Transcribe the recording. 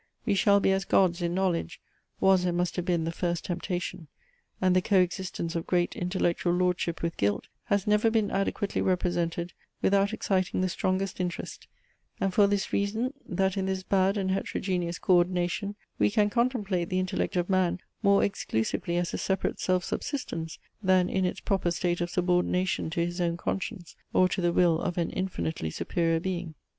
We shall be as Gods in knowledge, was and must have been the first temptation: and the coexistence of great intellectual lordship with guilt has never been adequately represented without exciting the strongest interest, and for this reason, that in this bad and heterogeneous co ordination we can contemplate the intellect of man more exclusively as a separate self subsistence, than in its proper state of subordination to his own conscience, or to the will of an infinitely superior being.